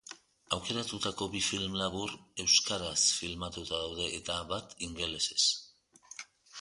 Aukeratutako bi film labur euskaraz filmatuta daude, eta bat ingelesez.